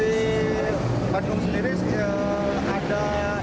di bandung sendiri ada